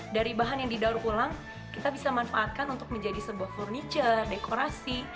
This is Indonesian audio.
dari bahan yang didaur ulang kita bisa manfaatkan untuk menjadi sebuah furniture dekorasi